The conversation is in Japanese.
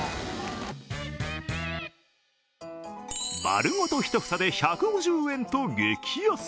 丸ごと１房で１５０円と激安。